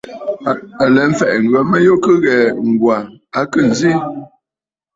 À lɛ mfɛ̀ʼɛ̀, ŋghə mə kɨ ghɛ̀ɛ̀, Ŋ̀gwà a khê ǹzi.